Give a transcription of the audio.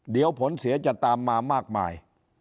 เดี๋ยวผลเสียจะตามมามากมาย